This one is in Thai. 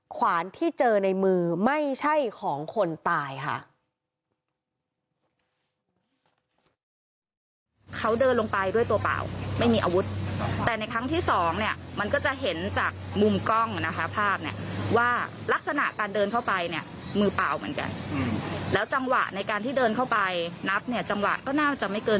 ขวานที่เจอในมือไม่ใช่ของคนตายค่ะ